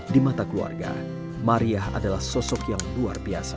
di mata keluarga maria adalah sosok yang luar biasa